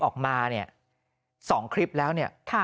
ออกมาสองคลิปแล้วเนี่ย